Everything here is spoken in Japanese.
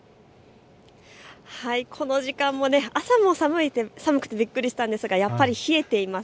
この時間も朝も寒くてびっくりしたんですがやっぱり増えています。